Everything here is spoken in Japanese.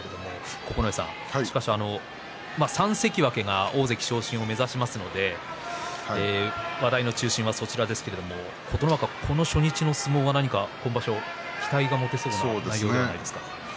九重さん、しかし３関脇が大関昇進を目指しますので話題の中心はそちらですが琴ノ若、この初日の相撲は何か今場所、期待が持てそうですね。